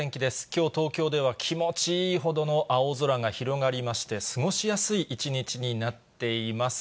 きょう、東京では気持ちいいほどの青空が広がりまして、過ごしやすい一日になっています。